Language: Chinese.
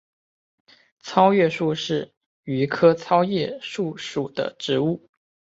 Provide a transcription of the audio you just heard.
糙叶树是榆科糙叶树属的植物。